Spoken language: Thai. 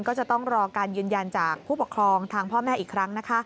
ก็จะต้องรอการยืนยันจากผู้ปกครองทางพ่อแม่อีกครั้งนะคะ